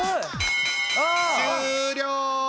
終了！